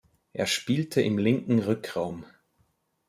Er spielte im linken Rückraum.